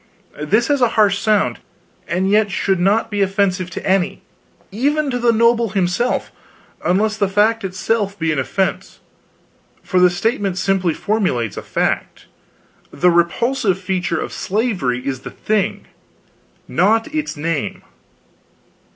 This has a harsh sound, and yet should not be offensive to any even to the noble himself unless the fact itself be an offense: for the statement simply formulates a fact. The repulsive feature of slavery is the thing, not its name.